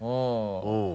うん。